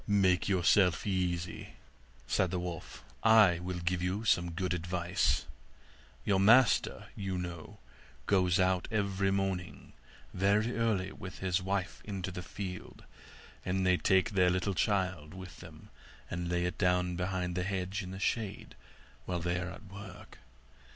'Make yourself easy,' said the wolf, 'I will give you some good advice. Your master, you know, goes out every morning very early with his wife into the field; and they take their little child with them, and lay it down behind the hedge in the shade while they are at work.